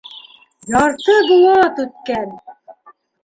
Ярты быуат үткән!